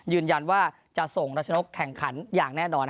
ยืนยันว่าจะส่งรัชนกแข่งขันอย่างแน่นอน